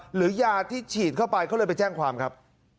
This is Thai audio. หรือยาที่ฉีดเข้าไปเขาเลยไปแจ้งความครับ